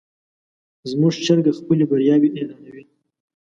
زموږ چرګه خپلې بریاوې اعلانوي.